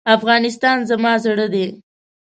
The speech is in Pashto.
افغانستان زما زړه دی.